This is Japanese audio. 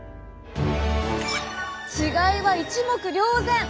違いは一目瞭然！